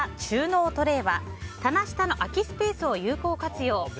収納トレーは棚下の空きスペースを有効活用。